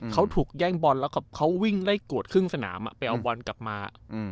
เขาถูกแย่งบอลแล้วเขาวิ่งไล่กวดครึ่งสนามไปเอาบอลกลับมา